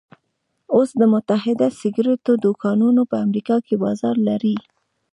اوس د متحده سګرېټو دوکانونه په امريکا کې بازار لري.